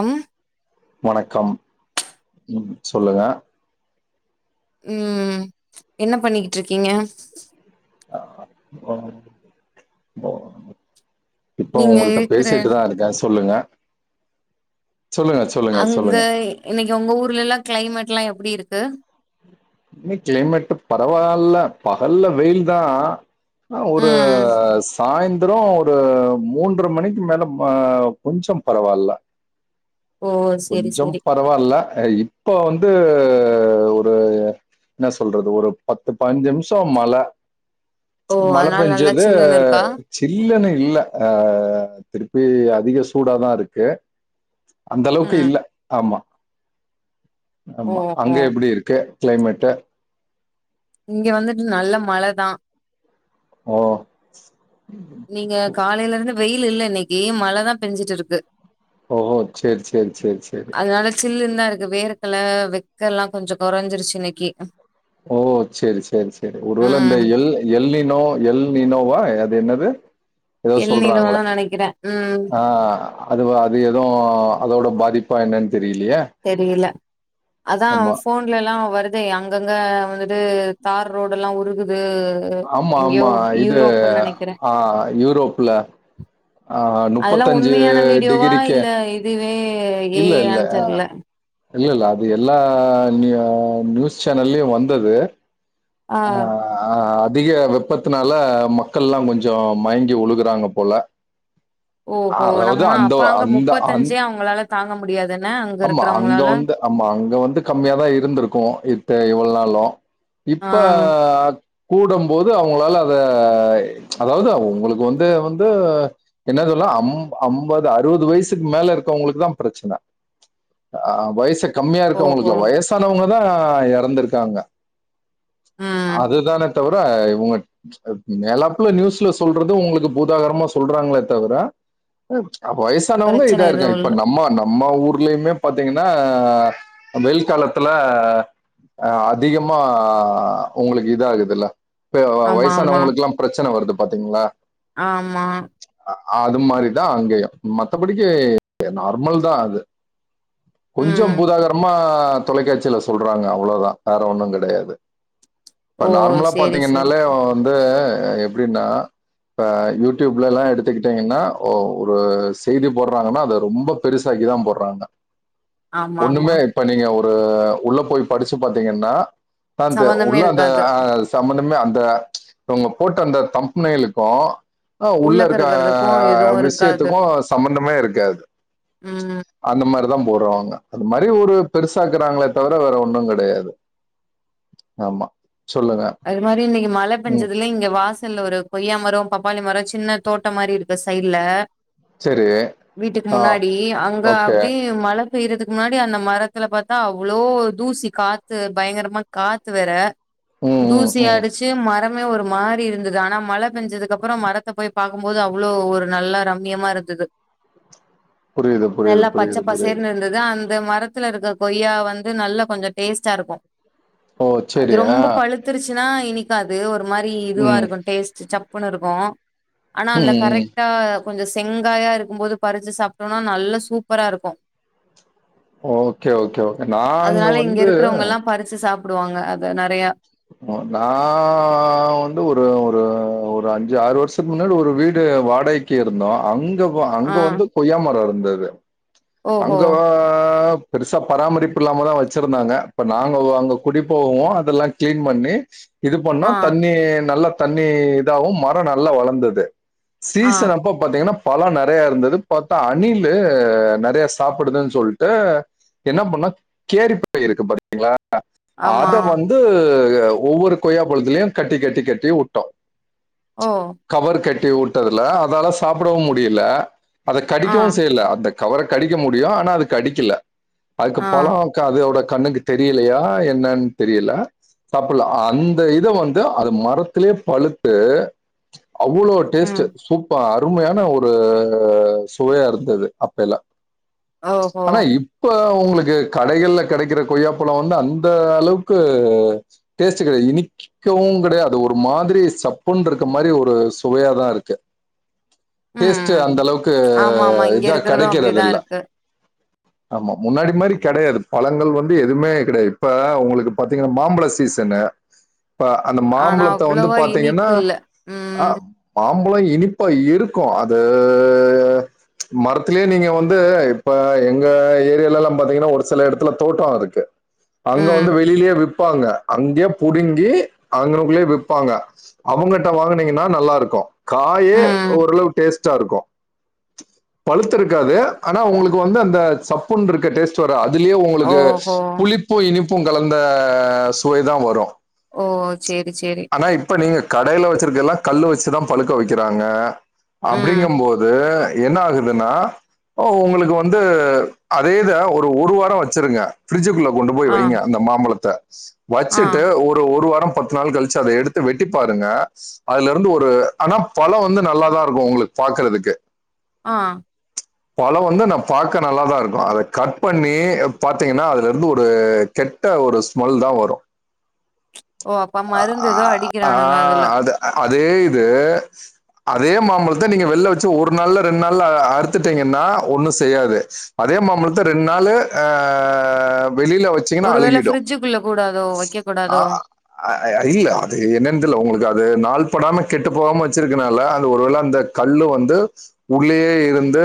அம் வணக்கம் சொல்லுங்க ம் என்ன பண்ணிக்கிட்டு இருக்கீங்க ஆ இப்ப நீங்க உங்கள்ட இருக்குற பேசிட்டுதா இருக்கே சொல்லுங்க சொல்லுங்க அங்க சொல்லுங்க இன்னக்கி ஒங்க ஊர்லலா கிளைமேட்லா எப்டி இருக்கு கிளைமேட்டு பரவால்ல பகல்ல வெயில் தா ஆ ஒரு ம் சாய்ந் தர ஒரு மூன்ற மணிக்கு மேல கொஞ்சொ பரவால்ல ஓ செரி கொஞ்சம் செரி. பரவால்ல இப்ப வந்து ஒரு என்ன சொல்றது ஒரு பத்து பன்ஞ்சு நிம்ஷொ மழ ஓ மழ அதனால நல்லா பெஞ்சது சில்லுன்னு இருக்கா? ஜில்லுனு இல்ல அ திருப்பி அதிக சூடாதா இருக்கு அந்தளவுக்கு ம் இல்ல ஆமா ஆமா அங்க ஓஹோ எப்பிடி இருக்கு க்ளைமேட்டு இங்க வந்துட்டு நல்ல மழதா ஓ இங்க காலைல இருந்து வெயில் இல்ல இன்னைக்கி மழதா பெஞ்சிட்டு இருக்கு ஓஹோ செரி செரி செரி செரி அதனால சில்லுன்தா இருக்கு வேர்கல வெக்கல்லா கொஞ்சொ கொறஞ்சிருச்சு இன்னைக்கி ஓ செரி செரி செரி ஒருவேல இந்த ம் எல் எல்லினோ எல்நினோவா அது என்னது எதோ இளநீரோதா சொல்றாங்களே நெனைக்கிறே ம் ஆ அதுவா அது எது அதோட பாதிப்பா என்னன் தெரிலையே தெரியல அதா ஃபோன்லலா வருதே அங்கங்க வந்துட்டு தார் ரோடுல்லா உருகுது ஆமா எங்கேயோ ஆமா இது யூரோப்புன்னு நெனைக்கிறே ஆ யூரோப்ல ஆ அதுலா உண்மையான வீடியோவா டிகிரிக்கே இல்ல இதுவே ஏ இல்ல, இல்ல. ஐயான் தெர்ல இல்ல இல்ல அது எல்லா நி நியூஸ் சேனல்லயு வந்தது ஆ ஆ அதிக வெப்பத்துனால மக்கள்லா கொஞ்சோ மயங்கி வுழுகுறாங்க போல ஓஹோ அதாவது நம்ம அந்த அப்ப அங்க அந்த அந் முப்பத்தஞ்சே அவங்களால தாங்க முடியாதனே அங்க ஆமா அங்க இருக்குறவங்களால வந்து ஆமா அங்க வந்து கம்மியாதா இருந்திருக்கு இத்த இவ்ள நாளு ஆ இப்ப கூடம்போது அவுங்களால அத அதாவது உங்களுக்கு வந்து வந்து என்ன சொல்லா அம் அம்பது அறுவது வயசுக்கு மேல இருக்கவங்களுக்கு தா ப்ரெச்சன அ வயச கம்மியா ஓஹோ இருக்கவங்களுக்குல வயசானவங்கதா எறந்துருக்காங்க ம் அதுதானே தவிர இவுங்க மேலப்புல நியூஸ்ல சொல்றது உங்களுக்கு பூதாகரமா சொல்றாங்ளே தவிர அப்ப வயசானவங்க பிரச்சன இதா எதுவு இருக்க இப்ப இல்ல நம்ம நம்ம ஊர் ஊலயிமே பாத்திங்கன்னா வெயில் அ காலத்துல அ அதிகமா உங்களுக்கு இதாகுதுல்ல இப்ப வ ஆமா ஆமா வயசானவங்களுக்குலா ப்ரெச்சன வருது பாத்திங்ளா ஆமா அ அது மாரிதா அங்கயு மத்தபடிக்கு நார்மல்தா அது கொஞ்சோ ம் பூதாகரமா தொலைக்காட்சில சொல்றாங்க அவ்ளோதா வேற ஒன்னுங்கெடையாது இப்ப ஓ நார்மலா சேரி சேரி பாத்தீங்கன்னாலே வந்து எப்டின்னா இப்ப யூடியூப்லல்லா எடுத்துக்கிட்டீங்கன்னா ஒ ஒரு செய்தி போட்றாங்கன்னா அது ரொம்ப பெருசாக்கி தா போட்றாங்க ஆமா ஆமா ஒண்ணுமே இப்ப நீங்க ஒரு உள்ள போய் படிச்சு பாத்தீங்கன்னா தான்ட்டு சம்பந்தமே உள்ள அந்த இருக்காது அ சம்மந்தமே அந்த ப்ப இவங்க போட்ட அந்த தம்ப் நைலுக்கு அ உள்ள உள்ளக்க இருக்க இருக்கறதுக்கு எதுவு இருக்காது விஷயத்துக்கு சம்மந்தமே இருக்காது ம் அந்த மாரிதா போடுறவாங்க அது மாரி ஒரு பெருசாக்குறாங்களே தவிர வேற ஒன்னுங்கெடையாது ஆமா சொல்லுங்க அது மாரி இன்னைக்கு மழழ ம் பெஞ்சதுல இங்க வாசல்ல ஒரு கொய்யா மரோ பப்பாளி மரோ சின்ன தோட்டம் மாரி இருக்கு சைட்ல சரி வீட்டுக்கு ஆ முன்னாடி அங்க ஓகே அப்டி மழ பேய்றதுக்கு முன்னாடி அந்த மரத்துல பாத்தா அவ்ளோ தூசி காத்து பயங்கரமா காத்து வேற ம் ம் ம் தூசியாய்டுச் து மரமே ஒரு மாரி இருந்தது ஆனா மழ பெஞ்சதுக்கு அப்றோ மரத்த போய் பாக்கும் போது அவ்ளோ ஒரு நல்ல ரம்யமா இருக் தது புரியுது புரியுது நல்லா பச்ச புரியுது புரியுது பசேர்னு இருந்தது இதா அந்த மரத்துல இருக்க கொய்யா வந்து நல்ல கொஞ்சோ டேஸ்டா இருக்கு ஓ அது சரி ஆ ரொம்ப பழுத்துருச்சின்னா இனிக்காது ஒரு மாரி இதுவா ம் இருக்கு டேஸ்ட் சப் புணு இருக்கு ஆனா ம் அந்த ம் கரெக்ட் டா கொஞ்சோ செங்காயா இருக்கும்போது பறிச்சு சாப்ட்டோம்னா நல்லா சூப்பரா இருக்கு ஓகே ஓகே ஓகே நாங்க அதனால இங்க வந்து இருக்கிறவங்கல்லா பறிச்சு சாப்டுவாங்க அத நறையா நா வந்து ஒரு ஒரு அஞ்சு ஆறு வருஷத்துக்கு முன்னாடி ஒரு வீடு வாடகை கி இருந்தோ அங்க ஆ அங்க வந்து கொய்யாமரோ இருந்தது ஓஹோ அங்கவ பெருசா பராமரிப்பு இல்லாம தா வச்சிருந்தாங்க இப்ப நாங்க அங்க குடி போகவு அதெல்லா க்ளீன் பண்ணி இது பண்ணோ ஆ தண்ணி நல்ல தண்ணி இதாவு மரோ நல்லா வளந்தது ஆ சீசன் அப்ப பாத்தீங்கன்னா பழோ நெறையா இருந்தது பாத்தா அணிலு நெறைய சாப்பிடுதுன் சொல்ட்டு என்ன பண்ணா கேரிப்பை இருக்கு பாரு ங்களா ஆமா அத வந் து ஒவ்வொரு கொய்யா பழத்திலையு கட்டி கட்டி கட்டி உட்டோ ஆ கவர் கட்டி உட்டதுல அதால சாப்டவு முடியல அத ஆ கடிக்கவு செய்ல அந்த கவர கடிக்க முடியு ஆனா அது கடிக்கல அதுக்கு ஆ பழோ அதோட கண்ணுக்கு தெரியலையா என்னன் தெரியல சாப்பில்ல அந்த இத வந்து அது மரத்துலே பழுத்து அவ்ளோ டேஸ்ட்டு ம் சூப்ப அருமையான ஒரு சுவையா இருந்தது அப்ப எல்லா ஓஹோ ஆனா இப் இப்ப உங்ளுக்கு கடைகள்ல கெடைக்கிற கொய்யாப்பழோ வந்து அந்த அளவுக்கு டேஸ்ட்டு கை இனிக் கவு கெடையா அது ஒரு மாதிரி சப்புன் இருக்க மாரி ஒரு சுவையாதா இருக்கு டேஸ்ட்டு ம் அந்த அளவுக்கு இதா கடைக் இப்டிதா இருக்கு ஆமா முன்னாடி மாரி அம். கெடையாது பழங்கள் வந்து எதுவுமே கிடையா இப்ப உங்களுக்கு பாத்தீங்கன்னா மாம்பழ சீசன்னு இப்ப அந்த ஆனா மாம்பழத்த வந்து அவ்வளவா பாத்தீங்கன்னா இனிப்பு இல்ல ஆ ம் மாம்பழோ இனிப்பா இருக்கு அது மரத் இத்துலே நீங்க வந்து இப்ப எங்க ஏரியால எல்லா பாத்தீங்கன்னா ஒரு சில இடத்துல தோட்டோ இருக்கு அங்க ம் வந்து வெளிலயே விப்பாங்க அங்கேயே புடுங்கி அங்கனக்குள்ளயே விப்பாங்க அவங்கட்ட வாங்குனீங்கன்னா நல்லா இருக்கு காயே ம் ஓரளவு டேஸ்டா இருக்கு பழுத்துருக்காது ஆனா உங்களுக்கு வந்து அந்த சப்புன்னு இருக்க டேஸ்ட் சுர அதுலயே உங்களுக்கு ஓஹோ புளிப்பு இனிப்பு கலந்த சுவைதா வரு ஓ சேரி சேரி ஆனா இப்ப நீங்க கடைல வச்சிருக்க எல்லா கல்லு வச்சிதா பழுக்க வைக்கிறாங்க ம் அப்டிங்கும் போது என்ன ஆகு துன்னா ஓ உங்களுக்கு வந்து அதே இத ஒரு ஒரு வாரோ வச்சிருங்க பிரிட்ஜ்க்குள்ள கொண்டு போய் ஆ வைங்க அந்த மாம்பழத்த ஆ வச்சிட்டு ஒரு ஒரு வாரம் பத்து நாள் கழிச்சி அத எடுத்து வெட்டி பாருங்க அதுல இருந்து ஒரு ஆனா பழோ வந்து நல்லாதா இருக்கு உங்களுக்கு பாக்றதுக்கு ஆ பழ வந்து நா பாக்க நல்லாதா இருக்கு அத கட் பண்ணி பாத்தீங்கன்னா அதுல இருந்து ஒரு கெட்ட ஒரு ஸ்மெல் தா வரு ஓ அப்ப மருந்து எதோ ஆ அடிக்கிறானுங்க அதுல அது அதே இது அதே மாம்பழத்த நீங்க வெளியில வச்சு ஒரு நாள்ல ரெண்டு நாள் ஃபுல்லா அறுத்துட்டீங்கன்னா ஒன்னூ செய்யாது அதே மாம்பழத்த ரெண்டு நாளு ஆ வெளியில வச்சீங்கன்னா ஒருவேள அழிகிடு ஃப்ரிட்ஜுக்குள்ள கூடாதோ, வைக்க அ கூடாதோ ஆ அ அ இல்ல அது என்னன்னு தெர்ல உங்களுக்கு அது நாள் படாம கெட்டு போகாம வச்சிருக்கனால அந்த ஒருவேள அந்த கல்லு வந்து உள்ளேயே இருந்து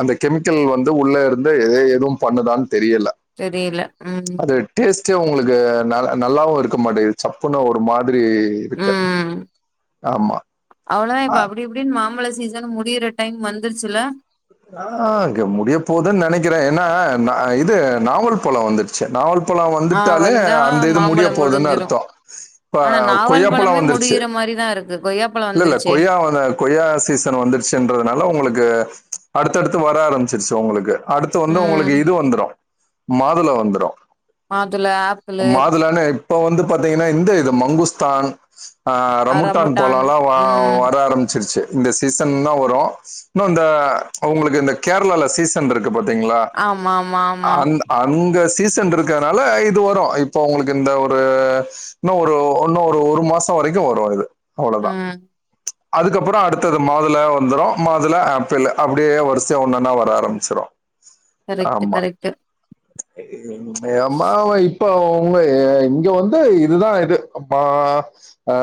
அந்த கெமிக்கல் வந்து உள்ள இருந்து ஏ எதுவும் பண்ணுதான்னு தெரியல தெரியல ம் டேஸ்ட்டே உங்களுக்கு நல்ல நல்லாவு இருக்க மாட்டேங்குது சப்புன்னு ஒரு மாதிரி இருக்கு ஆமா அவ்ளோதா இப்ப அப்டி இப்டின்னு மாம்பழ சீசனு முடியிற டைம் வந்துருச்சுல ஆ அங்க முடிய போதுன்னு நெனைக்கிறே ஏனா இது நாவல் பழம் வந்துருச்சு நாவல்ப் ப்பழம் ஆ வந்துட்டாலே வந்தா அந்த இது முடிய மாம்பழம் போதுன்னு முடிஞ்சிரும். அர்த்தோ இப்ப ஆனா நாவல் கொய்யாப்பழ பழமே வந்துருச்சு முடியிற மாரி தான் இருக்கு. கொய்யாப்பழம் இல்ல இல்ல வந்துருச்சே. கொய்யாவத கொய்யா சீசன் வந்துருச்சுன்றதுனால உங்களுக்கு அடுத்தடுத்து வர ஆரம்பிச்சிருச்சு உங்களுக்கு அடுத்து வந்து ம். உங்களுக்கு இது வந்துரு மாதுள வந்துரு மாதுள, ஆப்பிளு, மாதுளனு இப்ப வந்து பாத்தீங்கன்னா இந்த இது மங்குஸ்தான் அ ரம்புட்டான் பழல்லா ம். வர ஆரம்பிச்சிருச்சு இந்த சீசன் தா வரு இன்னு இந்த அவுங்களுக்கு இந்த கேரளால்ல சீசன்ருக் கு பாத்தீங்ளா ஆமா, ஆமா, ஆமா. அந்த அங்க சீசன் இருக்கறதுனால இது வரு இப்போ உங்களுக்கு இந்த ஒரு இன்னு ஒரு இன்னு ஒரு ஒரு மாச வரைக்கு வரு இது அவ்ளவுதா ம். அதுக்கப்பறோ அடுத்தது மாதுள வந்துரு மாதுள ஆப்பிள் அப்டியே வரிசையா ஒன்னன்னா வர ஆரம்பிச்சிரு கரெக்ட்டு கரெக்ட்டு ஏமா [unintelligible] இப்ப உங்க ஏ இங்க வந்து இதுதா இது அப்பா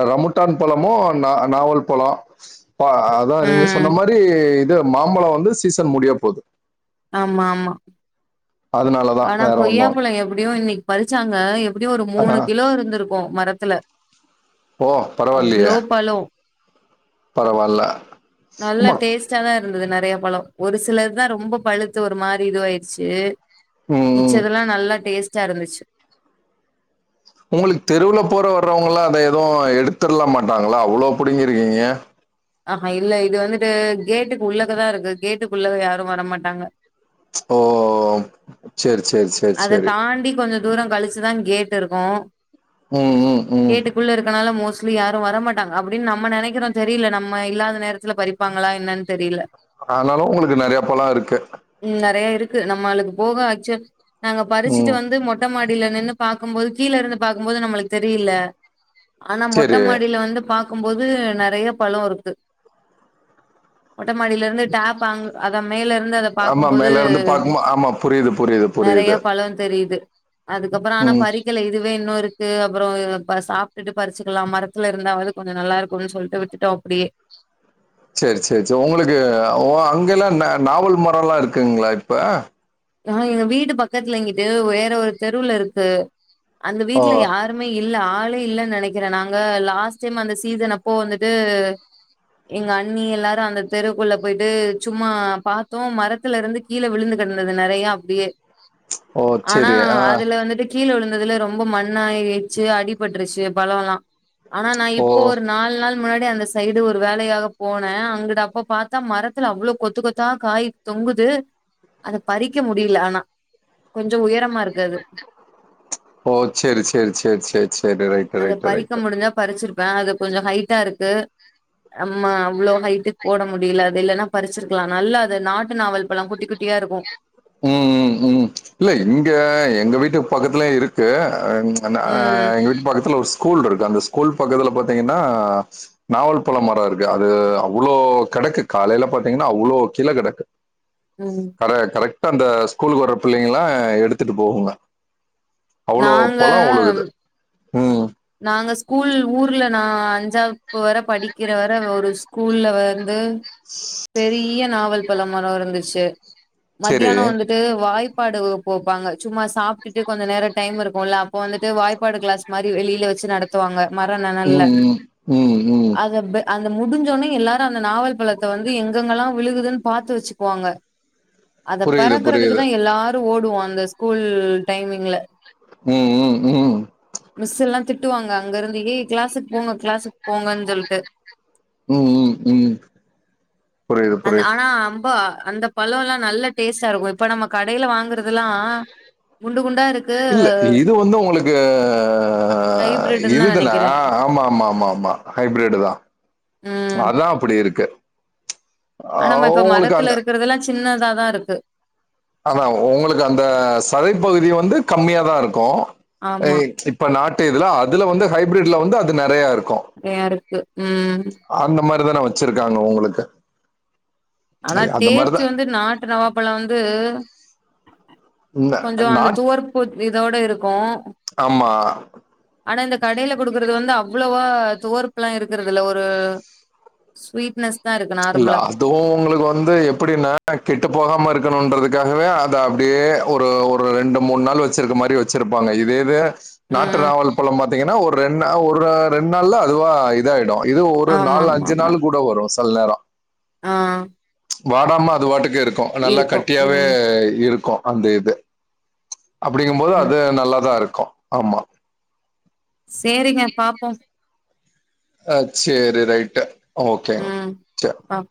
ரம்புட்டான் பழமு நா நாவல் பழ அதா நீங்க ம். சொன்ன மாரி இது மாம்பழம் வந்து சீசன் முடியபோது ஆமா ஆமா அதனாலதான் ஆனா வேற கொய்யா ஒன்றும் பழம் எப்டியும் இன்னைக் பறிச்சாங்க எப்டியு ஒரு மூணு கிலோ இருந்திருக்கு மரத்துல ஓ அவ்ளோ பரவாயில்லையே பழோ பரவாயில்ல நல்ல ஆமா டேஸ்ட் ஃப்ரஷாதா இருந்தது நெறைய பழ ஒரு சிலதா ரொம்ப பழுத்து ஒரு மாரி இதுவாயிருச்சு ம் ம் மிச்சதெல்லா நல்லா டேஸ்ட்டா இருந்துச்சு உங்களுக்கு தெருவுல போற வர்றவங்கலா அத எதுவு எடுத்துர்லா மாட்டாங்களா அவ்ளோ புடிங்கிருக்கீங்க ஆஹா இல்ல இது வந்துட்டு கேட்டுக்கு உள்ளக்கதா இருக்கு கேட்டுக்கு உள்ள யாரு வரமாட்டாங்க ஓ சேரி சேரி சே அத தாண்டி கொஞ்ச தூர கழிச்சுதா கேட்டு இருக்கு ம் ம் ம் உள்ள இருக்கனால மோஸ்லி யாரு வரமாட்டாங்க அப்டினு நம்ம நெனைக்கிறோ தெரியல நம்ம இல்லாத நேரத்ல பறிப் ப்பாங்களா என்னனு தெரியல ஆனாலு உங்ளுக்கு நெறைய பல இருக்கு உம் நெறைய இருக்கு நம்மளுக்கு போக ஆக்சு நாங்க பறிசுட்டு ம் வந்து மொ மொட்ட மாடியல நின்னு பாக்கும்போது கீழ இருந்து பாக்கும் போது நம்மளுக்கு தெரியில ஆனா சேரி மொட்டமாடியில வந்து பா க்கும் போது நெறைய பழம் இருக்கு மொட்டமாடியில இருந்து டேப் அங் அதா மேல இருந்து அத ஆமா பாக்கும்போது மேல இருந்து பாக்கும்போ ஆமா புரியிது புரியிது நெறையா பழோ தெரியுது அதுக்கப்றோ ஆனா ம் பறிக்கல இதுவே இன்னுருக் கு அப்றோ ப சாப்ட்டுட்டு பறிச்சுக்கலா மரத்துல இருந்தாவது கொஞ்சு நல்லா இருக்குன்னு சொல்லிட்டு விட்டுட்டோ அப்படியே சேரி சேரி சேரி உங்களுக்கு ஓ அங்கல்லா ந நாவல் மரோல்லா இருக்குங்களா இப்ப ஆ எங்க வீட்டு பக்கத்துல இங்குட்டு வேற ஒரு தெருவுலருக்கு அந்த ஓ வீட்டுல யார் ருமே இல்ல ஆளே இல்லனு நெனைக்கிறே நாங்க லாஸ்ட் டைம் அந்த சீசன் அப்போ வந்துட்டு எங்க அண்ணி எல்லாரு அந்த தெருகுள்ள போயிட்டு சும்மா பாத்தோ மரதுல இருந்து கீழ விழுந்து கிடந் ந்து நெறையா அப்டியே ஓ ஆனா சேரி ஆ அதுல வந்துட்டு கீழ விழுந்ததுல ரொம்ப மண்ணா ஏச்சு அடிபட்டுருச்சு பழல்லா ஆனா நா ஓ இப்போ ஒரு நாலு நாள் முன்னாடி அந்த சைடு ஒரு வேலையாக போனே அங்க அப்ப பாத்தா மரத்துல அவ்வளோ கொத்து கொத்தா காய் தொங்குது அத பறிக்க முடியல ஆனா கொஞ்சு உயரமா இருக்கு அது ஓ சேரி சேரி சேரி சேரி சேரி ரைட் அத பறிக்க முடிஞ்சா பறிசிருப்ப அது கொஞ்சு ஹைட்டா இருக்கு நம்மா அவ்ளோ ஹைட்டு போட முடியல அது இல்லன்னா பறிசிருக்கலா நல்லா அது நாட்டு நாவல் பழம் குட்டி குட் ட்டியா இருக்கு உம் உம் உம் இல்ல இங்க எங்க வீட்டுக்கு பக்கத்துலையு இருக்கு ம் எங்க வீட்டு பக்கத்துல ஒரு ஸ்கூல் இருக்கு அந்த ஸ்கூல் பக்கத்துல பாத்தீங்கன்னா நாவல் பழோ மரோ இருக்கு அது அவ்ளோ கிடக்கு காலயில பாத்தீங்கன்னா அவ்ளோ கீழ கெடக்கு ம் அத கரெக்டா அந்த ஸ்கூலுக்கு வர்ற புள்ளங்க எல்லா எடுத்துட்டு போகுங்க அவ்ளோ பழோ நாங்க உழுகுது உம் நாங்க ஸ்கூல் ஊர்ல நா அஞ்சாவப்பு வர படிகிற வர ஒரு ஸ்கூல்ல வந்து பெரிய நாவல் பழமரம் இருந்துச்சு சரி. மத்தியான வந்து டு வாய்ப்பாடு வகுப்பு வெப்பாங்க சும்மா சாப்ட்டுட்டு கொஞ்சு நேரோ டைம் இருக்குல்ல அப்ப வந்துட்டு வாய்பாடு கிளாஸ் மாரி வெளி ல வெச்சு நடத்துவாங்க மரோ நெழல்ல ம், ம். ம், ம். அதப் அந்த முடிஞ்சோனே எல்லாரு அந்த நாவல் பழத்த வந்து எங்கெங்கெல்லா விழுகுதுன்னு பாத்து வச்சுக்குவாங்க அத புரியுது, புரியுது. பெறக்கறதுக்குதா எல்லாரு ஓடுவோ அந்த ஸ்கூல் டைமிங்ல ம், ம், ம். மிஸ்ல்லா திட்டுவாங்க அங்க இருந்து ஏய் கிளாஸ்க்கு போங்க கிளாஸ்க்கு போங்கன்னு சொல்ட்டு ம், ம், ம். புரியுது, அந் புரியுது. ஆனா அப்போ அந்தப் பழோல்லா நல்ல டேஸ்ட்டா இருக்கு இப்ப நம்ம கடையில வாங்குறது ல்லா குண்டு குண்டா இருக்கு இப்போ வந்து உங்களுக் க்கு ஆ ஆ ஹைபிரிட்ன்னு தா இதுதான நெனைக்கிறே ஆமா ஆமா ஆமா ஆமா ஹைபிரிடு தா ம் அதா அப்படி இருக்கு அ ஆனா நம்ம இப்ப உங்களுக்கு மரத்துல அந்த இருகறது ல்லா சின்னதாதா இருக்கு ஆனா உங்களுக்கு அந்த சதைபகுதி வந்து கம்மியா தா இருக்கும் எ ஆமா ட்லிப் இப்ப நாட்டு இதுல அதல வந்து ஹைப்பிரிட்டுல வந்து அது நெறையா இருக்கு நயா இருக்கு ம் அஆந்த மாரி தான வச்சிருக்காங்க உங்களுக்கு ஆனா அந்த மாரி டேஸ்ட்டு தான் வந்து நாட்டு நவாப்பழம் வந்து ந கொஞ்சோ அந்த நாட் துவர்ப்பு இதோட இருக்கும் ஆமா ஆனா இந்த கடையில குடுக்கறது வந்து அவ்ளோவா துவர்பப்புல்லா இருக்கறது இல்ல ஒரு ஸ்வீட்னஸ் தா இருக்கு இல்ல நார்மலா அதுவு உங்களுக்கு இப்ப வந்து எப்படின்னா கெட்டுப்போகாம இருக்கணுன்றதுக்காகவே அத அப்டியே ஒரு ஒரு ரெண்டு மூணு நாள் வச்சுருக்கு மாரி வச்சிருப்பாங்க இதையவே நாட்டு ம் நாவல் பழம் பாத்தீங்கன்னா ஒரு ரெண்னா ஒரு ரெண்டு நாள்ல அதுவா இதாயிடு இது ஒரு ஆமா நாலு ஆமா அஞ்சு ஆமா நாள் கூட வரு சில நேரோ ஆ வாடாம அது பாட்டுக்கு இருக்கு நல்லா இருக்கு கட்டியாவே ம் இருக்கு அந்த இது அப்படிங்கம்போது ம் அது நல்லாதா இருக்கு ஆமா சேரிங்க பாப்போ அ சேரி ரைட்டு் ஓகேங்க சேர் ஆம்